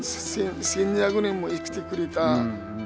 １，２００年も生きてくれた木に。